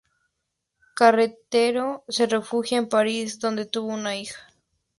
Carretero se refugió en París, donde tuvo una hija.